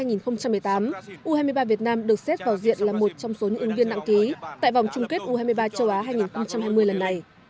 jordan được xét vào diện là một trong số những ứng viên nặng ký tại vòng chung kết u hai mươi ba châu á hai nghìn hai mươi lần này